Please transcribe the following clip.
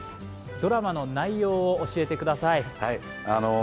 ドラマの内容を教えてください。